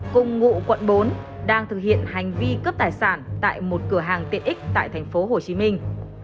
cùng ngụ quận bốn đang thực hiện hành vi cướp tài sản tại một cửa hàng tiện ích tại thành phố hồ chí minh